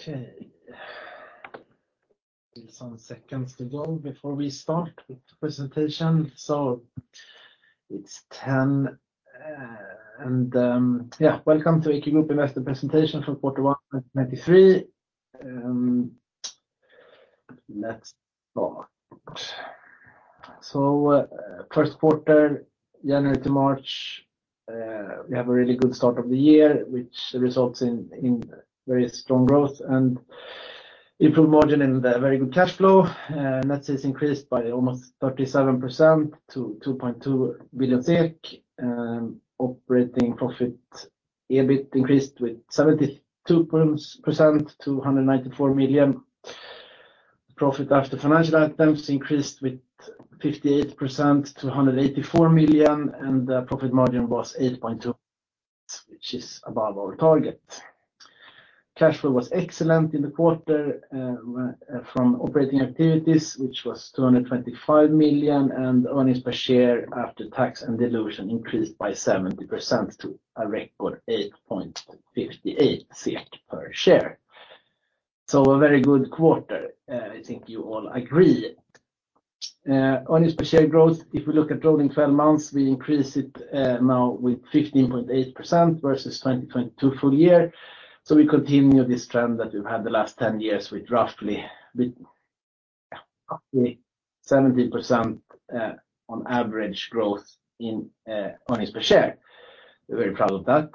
Okay. Some seconds to go before we start with presentation. It's 10 and, yeah, welcome to AQ Group Investor Presentation for Q1 2023. Let's start. First quarter, January to March, we have a really good start of the year, which results in very strong growth and improved margin and a very good cash flow. Net sales increased by almost 37% to 2.2 billion, operating profit, EBIT increased with 72% to 194 million. Profit after financial items increased with 58% to 184 million, and the profit margin was 8.2%, which is above our target. Cash flow was excellent in the quarter from operating activities, which was 225 million. Earnings per share after tax and dilution increased by 70% to a record 8.58 SEK per share. A very good quarter, I think you all agree. Earnings per share growth, if we look at rolling 12 months, we increase it now with 15.8% versus 2022 full year. We continue this trend that we've had the last 10 years with, yeah, roughly 70% on average growth in earnings per share. We're very proud of that.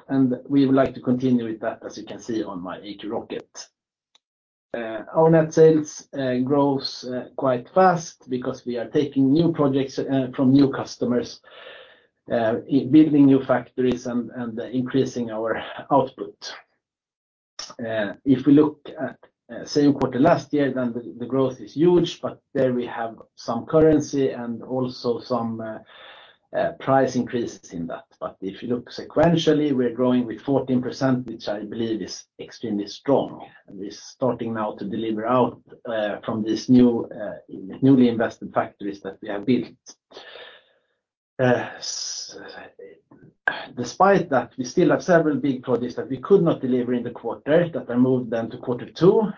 We would like to continue with that, as you can see on my AQ rocket. Our net sales grows quite fast because we are taking new projects from new customers, building new factories and increasing our output. If we look at same quarter last year, then the growth is huge, but there we have some currency and also some price increases in that. If you look sequentially, we're growing with 14%, which I believe is extremely strong. We're starting now to deliver out from these new, newly invested factories that we have built. Despite that, we still have several big projects that we could not deliver in the quarter that are moved then to quarter two.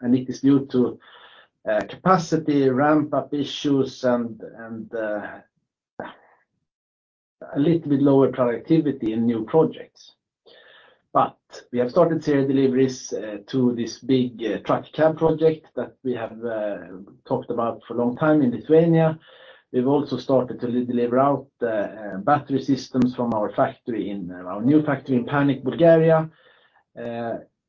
It is due to capacity, ramp-up issues and a little bit lower productivity in new projects. We have started to see deliveries to this big truck cab project that we have talked about for a long time in Lithuania. We've also started to de-deliver out battery systems from our factory in, our new factory in Panagyurishte, Bulgaria.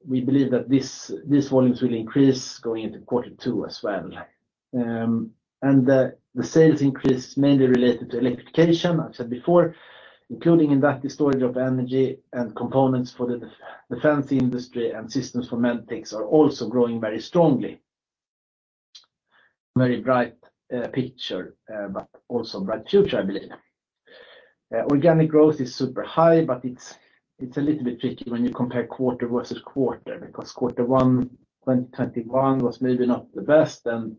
We believe that these volumes will increase going into quarter two as well. The sales increase mainly related to electrification, I've said before, including in that the storage of energy and components for the defense industry and systems for MedTech are also growing very strongly. Very bright picture, but also bright future, I believe. Organic growth is super high, but it's a little bit tricky when you compare quarter versus quarter, because quarter one 2021 was maybe not the best and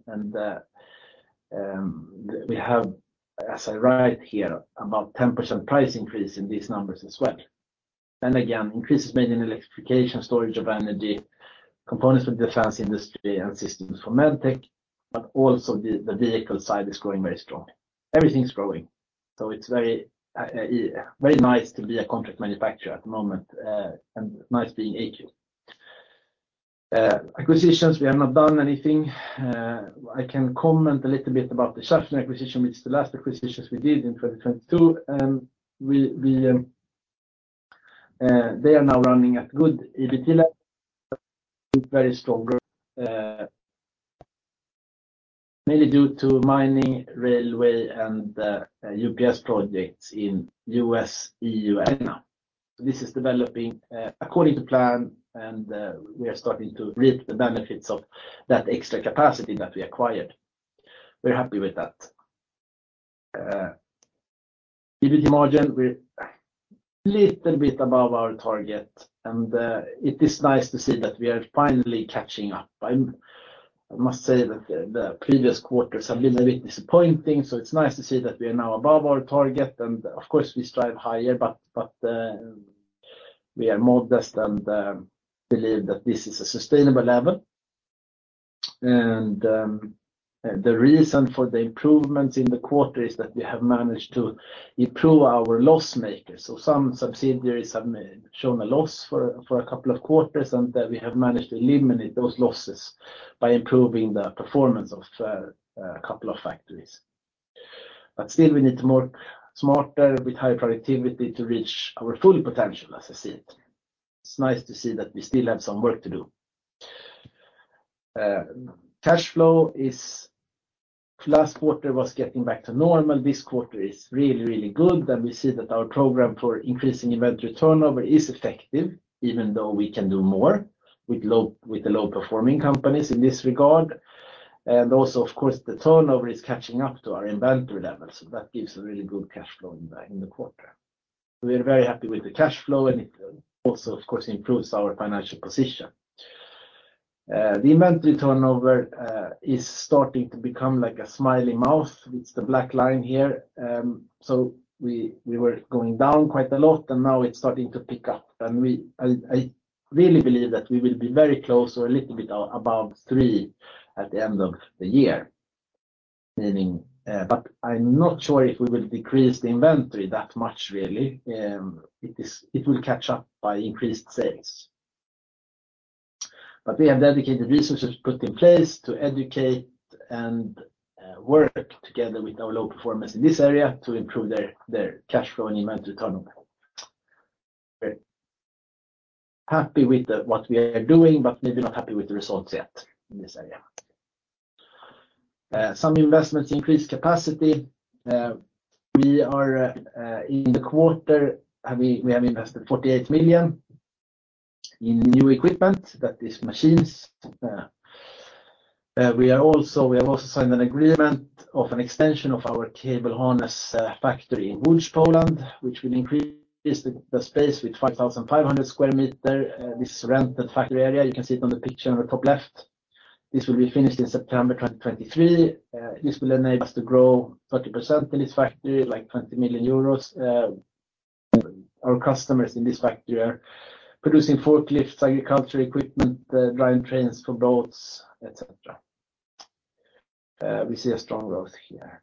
we have, as I write here, about 10% price increase in these numbers as well. Increase is made in electrification, storage of energy, components for defense industry and systems for MedTech, but also the vehicle side is growing very strong. Everything's growing. It's very, very nice to be a contract manufacturer at the moment, and nice being AQ. Acquisitions, we have not done anything. I can comment a little bit about the Schaffner acquisition, which is the last acquisitions we did in 2022. They are now running at good EBIT levels, with very strong growth, mainly due to mining, railway, and UPS projects in U.S., EU, and Asia. This is developing according to plan, and we are starting to reap the benefits of that extra capacity that we acquired. We're happy with that. EBIT margin, we're a little bit above our target, and it is nice to see that we are finally catching up. I must say that the previous quarters have been a bit disappointing, so it's nice to see that we are now above our target. Of course, we strive higher, but we are modest and believe that this is a sustainable level. The reason for the improvements in the quarter is that we have managed to improve our loss makers. Some subsidiaries have shown a loss for a couple of quarters, and that we have managed to eliminate those losses by improving the performance of a couple of factories. Still, we need to work smarter with high productivity to reach our full potential, as I see it. It's nice to see that we still have some work to do. cash flow. Last quarter was getting back to normal. This quarter is really good. We see that our program for increasing inventory turnover is effective, even though we can do more with the low-performing companies in this regard. Of course, the turnover is catching up to our inventory levels. That gives a really good cash flow in the quarter. We are very happy with the cash flow, and it also, of course, improves our financial position. The inventory turnover is starting to become like a smiley mouth. It's the black line here. We were going down quite a lot, and now it's starting to pick up. I really believe that we will be very close or a little bit above three at the end of the year. Meaning... I'm not sure if we will decrease the inventory that much, really. It will catch up by increased sales. We have dedicated resources put in place to educate and work together with our low performers in this area to improve their cash flow and inventory turnover. We're happy with what we are doing, but maybe not happy with the results yet in this area. Some investments increase capacity. We are in the quarter, we have invested 48 million in new equipment, that is machines. We have also signed an agreement of an extension of our cable harness factory in Lodz, Poland, which will increase the space with 5,500 sq m. This is rented factory area. You can see it on the picture on the top left. This will be finished in September 2023. This will enable us to grow 30% in this factory, like 20 million euros. Our customers in this factory are producing forklifts, agriculture equipment, drive trains for boats, et cetera. We see a strong growth here.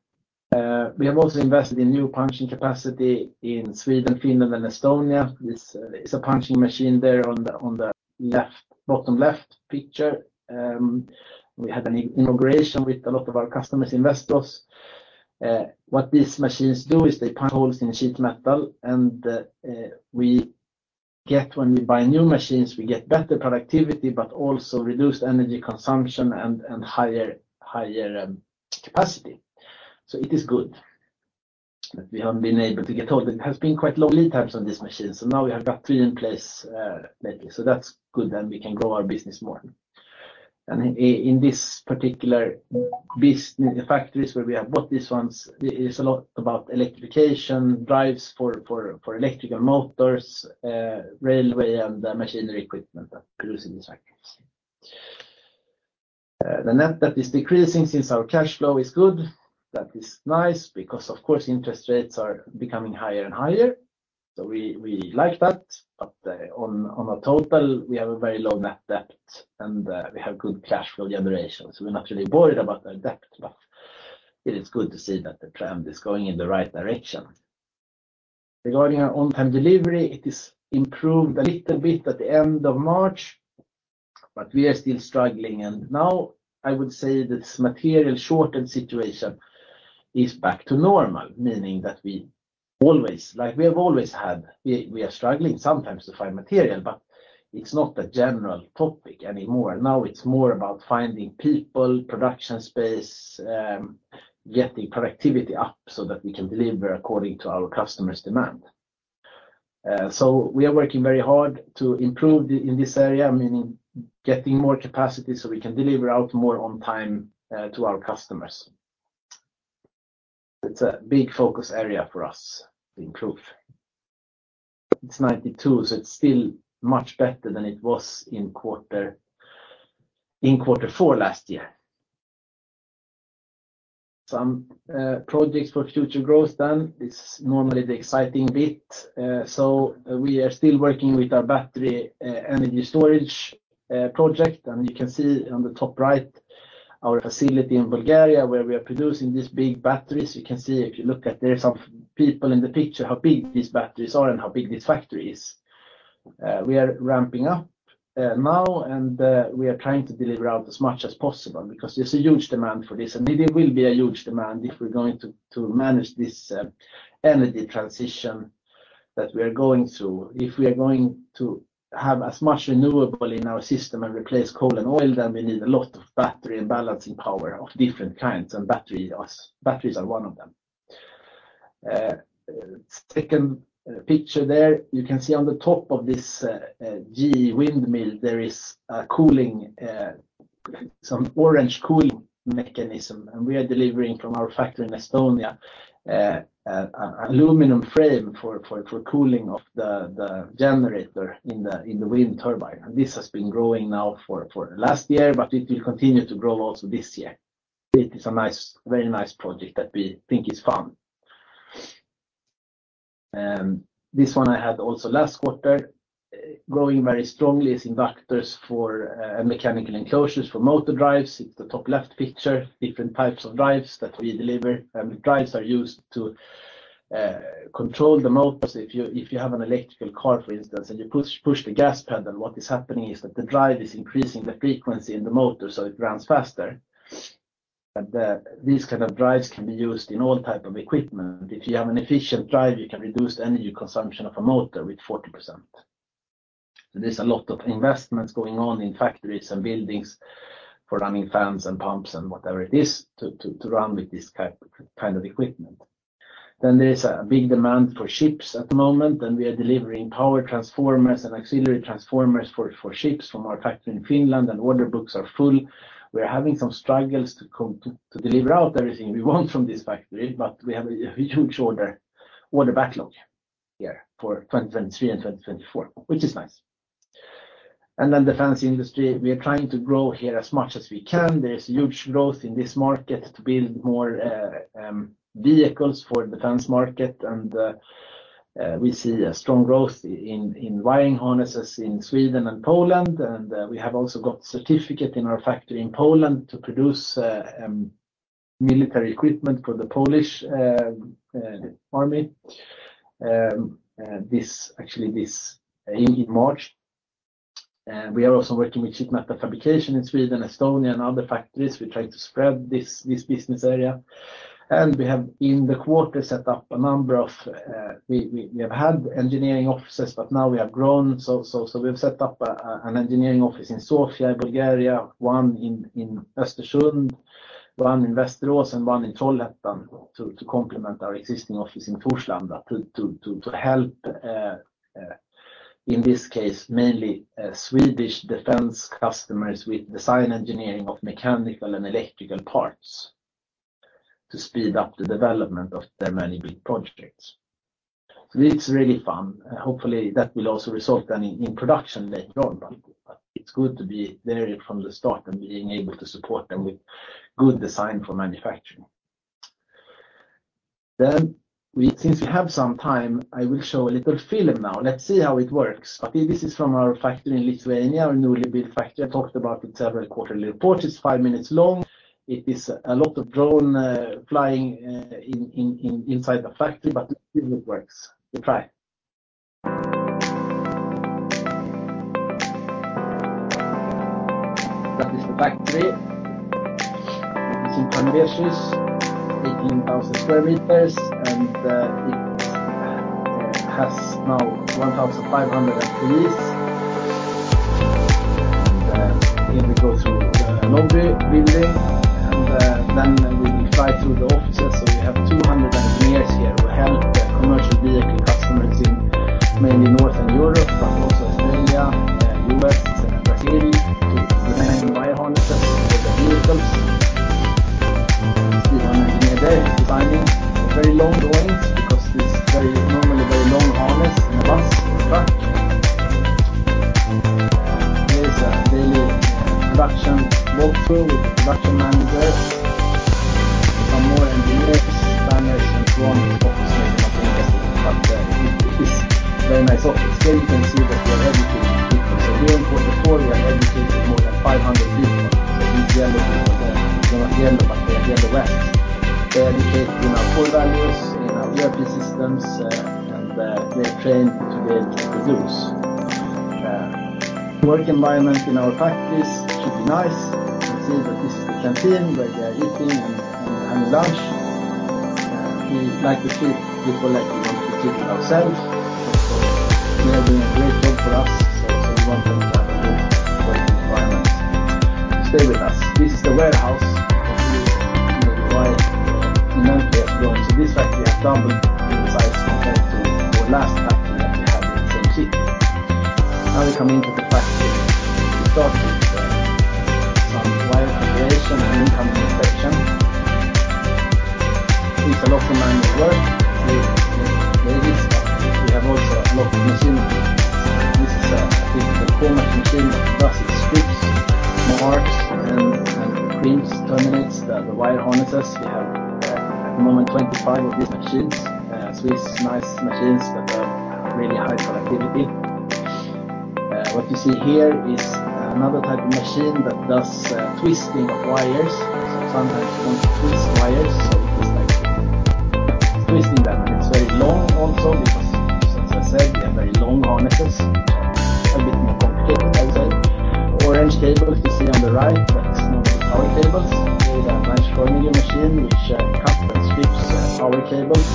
We have also invested in new punching capacity in Sweden, Finland and Estonia. This is a punching machine there on the bottom left picture. We had an inauguration with a lot of our customers, investors. What these machines do is they punch holes in sheet metal, we get when we buy new machines, we get better productivity, but also reduced energy consumption and higher capacity. It is good that we have been able to get all. It has been quite long lead times on this machine, now we have got three in place lately. That's good, we can grow our business more. In this particular business, the factories where we have bought these ones is a lot about electrification, drives for electrical motors, railway and machinery equipment are produced in these factories. The net debt is decreasing since our cash flow is good. That is nice because of course, interest rates are becoming higher and higher. We like that. On a total, we have a very low net debt and we have good cash flow generation. We're not really worried about our debt, but it is good to see that the trend is going in the right direction. Regarding our on-time delivery, it is improved a little bit at the end of March, but we are still struggling. Now I would say this material shortened situation is back to normal, meaning that like we have always had, we are struggling sometimes to find material, but it's not a general topic anymore. Now it's more about finding people, production space, getting productivity up so that we can deliver according to our customers' demand. We are working very hard to improve the, in this area, meaning getting more capacity so we can deliver out more on time to our customers. It's a big focus area for us to improve. It's 92%, so it's still much better than it was in quarter four last year. Some projects for future growth then. It's normally the exciting bit. We are still working with our battery energy storage project. You can see on the top right, our facility in Bulgaria, where we are producing these big batteries. You can see if you look at, there are some people in the picture, how big these batteries are and how big this factory is. We are ramping up now, and we are trying to deliver out as much as possible because there's a huge demand for this. It will be a huge demand if we're going to manage this energy transition that we are going through. If we are going to have as much renewable in our system and replace coal and oil, then we need a lot of battery and balancing power of different kinds. Batteries are one of them. Second picture there, you can see on the top of this GE windmill, there is a cooling, some orange cooling mechanism. We are delivering from our factory in Estonia, a aluminum frame for cooling of the generator in the wind turbine. This has been growing now for last year, it will continue to grow also this year. It is a nice, very nice project that we think is fun. This one I had also last quarter, growing very strongly is inverters for mechanical enclosures for motor drives. It's the top left picture, different types of drives that we deliver. Drives are used to control the motors. If you have an electrical car, for instance, you push the gas pedal, what is happening is that the drive is increasing the frequency in the motor, it runs faster. These kind of drives can be used in all type of equipment. If you have an efficient drive, you can reduce the energy consumption of a motor with 40%. There's a lot of investments going on in factories and buildings for running fans and pumps and whatever it is to run with this kind of equipment. There is a big demand for ships at the moment, and we are delivering power transformers and auxiliary transformers for ships from our factory in Finland, and order books are full. We're having some struggles to deliver out everything we want from this factory, but we have a huge order backlog here for 2023 and 2024, which is nice. Defense industry, we are trying to grow here as much as we can. There's huge growth in this market to build more vehicles for defense market. We see a strong growth in wiring harnesses in Sweden and Poland. We have also got certificate in our factory in Poland to produce military equipment for the Polish army. This actually in March. We are also working with sheet metal fabrication in Sweden, Estonia, and other factories. We try to spread this business area. We have in the quarter set up a number of, we have had engineering offices, but now we have grown. We've set up an engineering office in Sofia, Bulgaria, one in Östersund, one in Västerås, and one in Trollhättan to complement our existing office in Torslanda to help in this case, mainly Swedish defense customers with design engineering of mechanical and electrical parts to speed up the development of their many big projects. It's really fun. Hopefully, that will also result in production later on. It's good to be there from the start and being able to support them with good design for manufacturing. Since we have some time, I will show a little film now. Let's see how it works. This is from our factory in Lithuania, our newly built factory. I talked about it several quarterly reports. It's 5 minutes long. It is a lot of drone flying inside the factory, let's see if it works. We try. That is the factory. It's in Panevėžys, 18,000 sq m, and it has now 1,500 employees. Here we go through the lobby building, we will drive through the offices. We have 200 engineers here who help their commercial vehicle customers in mainly Northern Europe, factory. We start with some wire preparation and incoming inspection. It's a lot of manual work with ladies, but we have also a lot of machine work. This is, I think, the core machine that does its strips, marks, and crimps, terminates the wire harnesses. We have, at the moment, 25 of these machines. These nice machines that are really high productivity. What you see here is another type of machine that does twisting of wires. Sometimes you want to twist wires, so it is like twisting them. It's very long also because, as I said, we have very long harnesses. A bit more complicated, I'd say. Orange tables you see on the right, that's more like power tables. Here is a branch forming a machine which cut and strips power tables.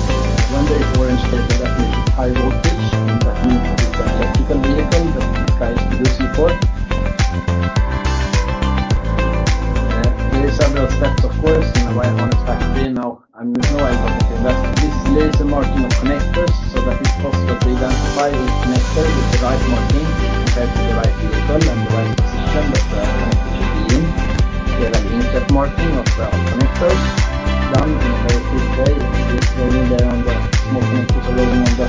Remember, if orange table, that means it's high voltage, and that means it's an electrical vehicle that we try to produce before. There is other steps, of course, in a wire harness factory. Now I'm with no wire factory. That's this laser marking of connectors, so that it's possible to identify which connector with the right marking compared to the right vehicle and the right position that the connector should be in. We have an inkjet marking of the connectors done in a very good way. It's going in there on the small connectors are going on the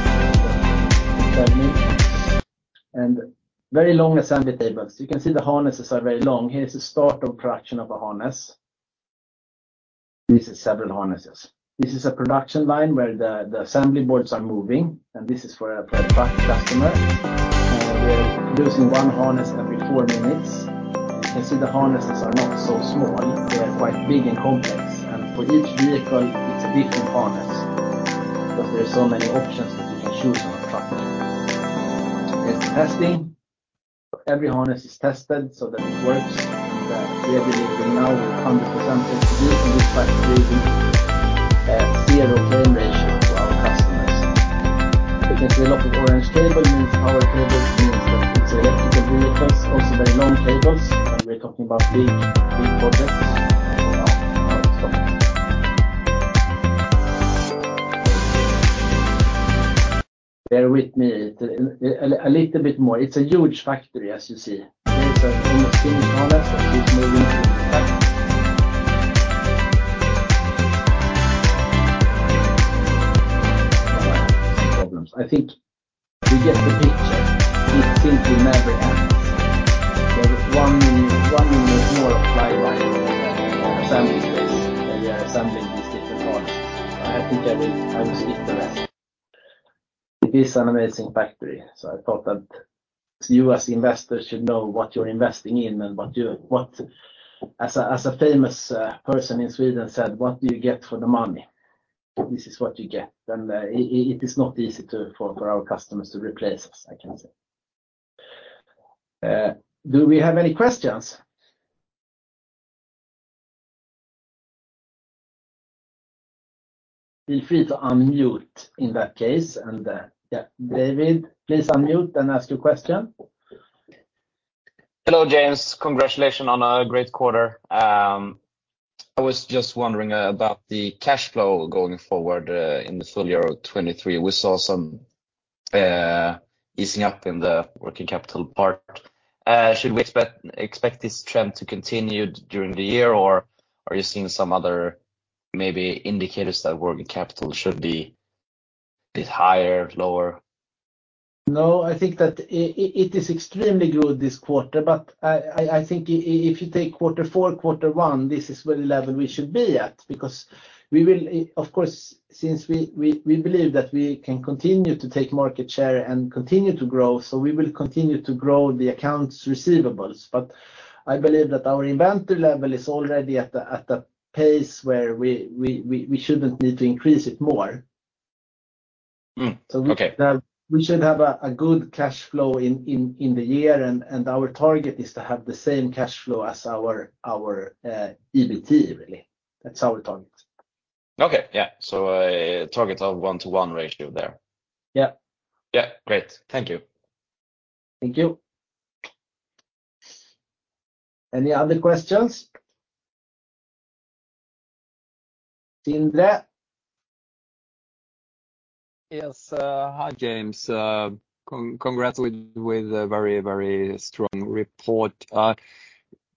pad link. Very long assembly tables. You can see the harnesses are very long. Here's the start of production of a harness. This is several harnesses. This is a production line where the assembly boards are moving, and this is for a truck customer. We're producing one harness every four minutes. You can see the harnesses are not so small. They are quite big and complex. For each vehicle, it's a different harness because there are so many options that you can choose on a truck. There's the testing. Every harness is tested so that it works. We are delivering now with 100% efficiency. This factory is a zero claim ratio to our customers. You can see a lot of orange cable, means power cable, means that it's electrical vehicles, also very long cables. We're talking about big projects. Bear with me a little bit more. It's a huge factory, as you see. Here's an almost finished harness that is made. Now I have some problems. I think we get the picture. It simply never ends. There is one more flyby of the assembly place where we are assembling these different parts. I think I will skip the rest. It is an amazing factory, so I thought that you as investors should know what you're investing in and As a famous person in Sweden said, "What do you get for the money?" This is what you get. It is not easy to for our customers to replace us, I can say. Do we have any questions? Feel free to unmute in that case, and David, please unmute and ask your question. Hello, James. Congratulations on a great quarter. I was just wondering about the cash flow going forward in the full year of 2023. We saw some easing up in the working capital part. Should we expect this trend to continue during the year, or are you seeing some other maybe indicators that working capital should be a bit higher, lower? I think that it is extremely good this quarter. I think if you take quarter four, quarter one, this is where the level we should be at because we will, of course, since we believe that we can continue to take market share and continue to grow, we will continue to grow the accounts receivables. I believe that our inventory level is already at the pace where we shouldn't need to increase it more. Okay. We should have a good cash flow in the year, and our target is to have the same cash flow as our EBT really. That's our target. Okay. Yeah. a target of 1:1 ratio there. Yeah. Yeah. Great. Thank you. Thank you. Any other questions? Sindre? Yes. Hi, James. Congrats with a very, very strong report.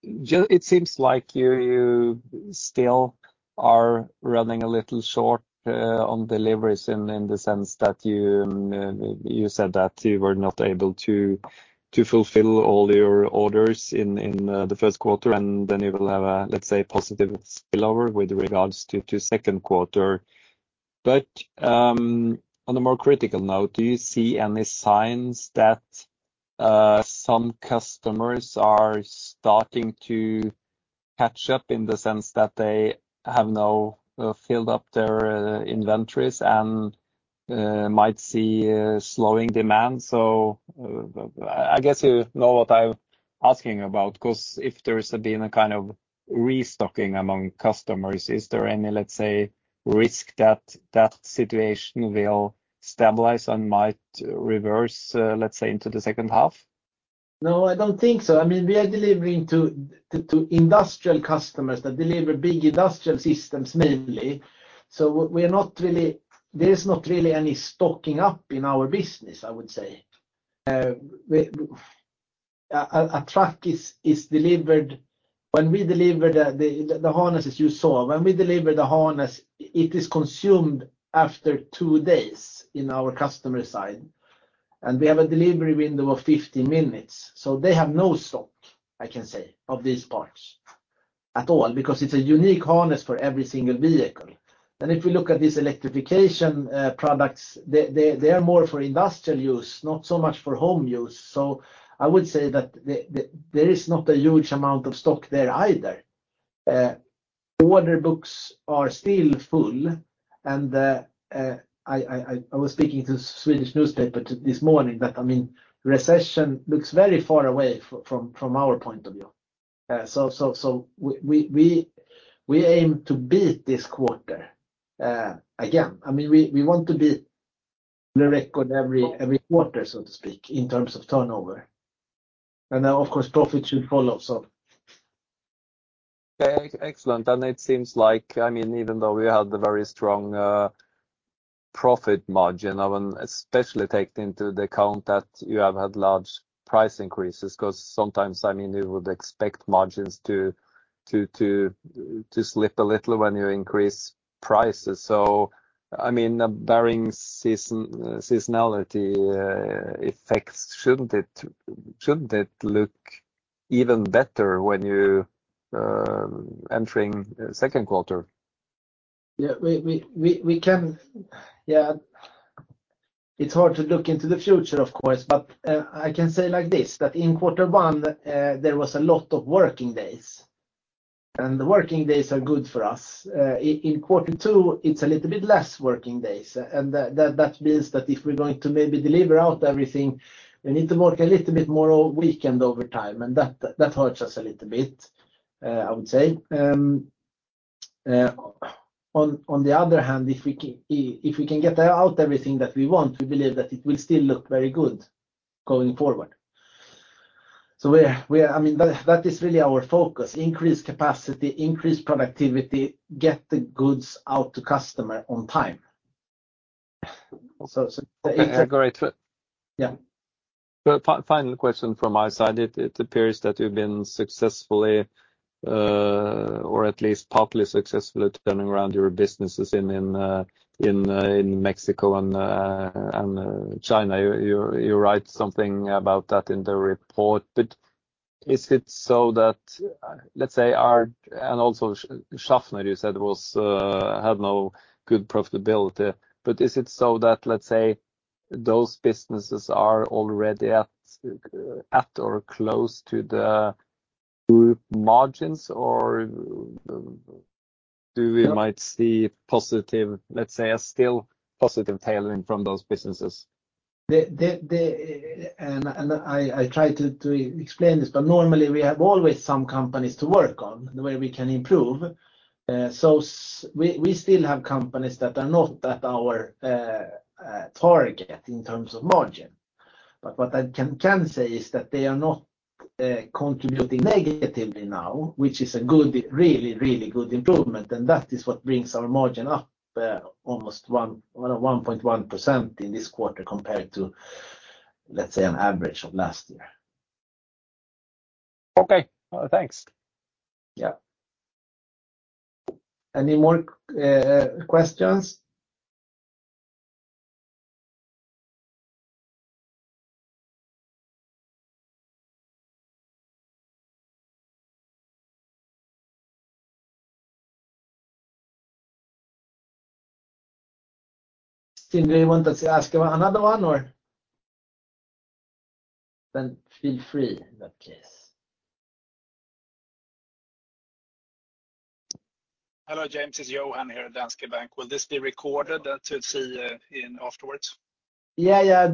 It seems like you still are running a little short on deliveries in the sense that you said that you were not able to fulfill all your orders in the first quarter, and then you will have a, let's say, positive spillover with regards to second quarter. On a more critical note, do you see any signs that some customers are starting to catch up in the sense that they have now filled up their inventories and might see a slowing demand? I guess you know what I'm asking about because if there's been a kind of restocking among customers, is there any, let's say, risk that that situation will stabilize and might reverse, let's say, into the second half? No, I don't think so. I mean, we are delivering to industrial customers that deliver big industrial systems mainly. There's not really any stocking up in our business, I would say. A truck is delivered. When we deliver the harnesses you saw, when we deliver the harness, it is consumed after two days in our customer side. We have a delivery window of 50 minutes. They have no stock, I can say, of these parts at all because it's a unique harness for every single vehicle. If we look at these electrification products, they are more for industrial use, not so much for home use. I would say that the there is not a huge amount of stock there either. Order books are still full. I was speaking to Swedish newspaper this morning that, I mean, recession looks very far away from our point of view. We aim to beat this quarter again. I mean, we want to beat the record every quarter, so to speak, in terms of turnover. Of course, profit should follow also. Okay. Excellent. It seems like, I mean, even though we had the very strong profit margin, I mean, especially taking into the account that you have had large price increases, because sometimes, I mean, you would expect margins to slip a little when you increase prices. I mean, barring seasonality effects, shouldn't it look even better when you entering second quarter? Yeah. We can. Yeah. It's hard to look into the future, of course, but I can say like this, that in quarter one, there was a lot of working days, and the working days are good for us. In quarter two, it's a little bit less working days. That means that if we're going to maybe deliver out everything, we need to work a little bit more weekend overtime, and that hurts us a little bit, I would say. On the other hand, if we can, if we can get out everything that we want, we believe that it will still look very good going forward. I mean, that is really our focus: increase capacity, increase productivity, get the goods out to customer on time. Okay, great. Yeah. Final question from my side. It appears that you've been successfully or at least partly successfully turning around your businesses in Mexico and China. You write something about that in the report. Is it so that, let's say our... Also Schaffner you said was had no good profitability. Is it so that, let's say, those businesses are already at or close to the group margins, or do we might see positive, let's say a still positive tailwind from those businesses? I try to explain this, but normally we have always some companies to work on, the way we can improve. We still have companies that are not at our target in terms of margin. What I can say is that they are not contributing negatively now, which is a really good improvement. That is what brings our margin up almost 1.1% in this quarter compared to, let's say, an average of last year. Okay. Thanks. Yeah. Any more questions? Stine, do you want to ask another one or? Feel free in that case. Hello, James. It's Johan here at Danske Bank. Will this be recorded that we'll see afterwards? Yeah, yeah.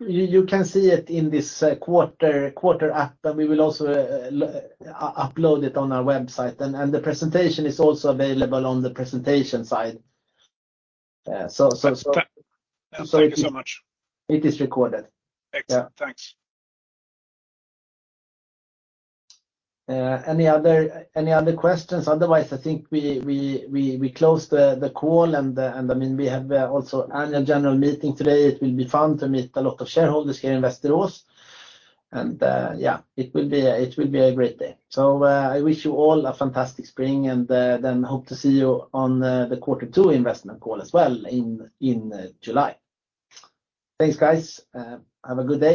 You can see it in this quarter app, we will also upload it on our website and the presentation is also available on the presentation site. Thank you so much. It is recorded. Excellent. Yeah. Thanks. Any other questions? I think we close the call and I mean we have also annual general meeting today. It will be fun to meet a lot of shareholders here in Västerås. Yeah, it will be a great day. I wish you all a fantastic spring and, then hope to see you on, the quarter two investment call as well in July. Thanks, guys. Have a good day.